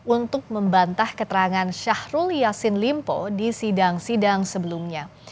untuk membantah keterangan syahrul yassin limpo di sidang sidang sebelumnya